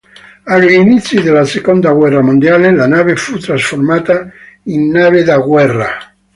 Agli inizi della seconda guerra mondiale la nave fu trasformata in nave da guerra.